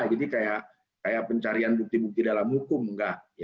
jadi kayak pencarian bukti bukti dalam hukum nggak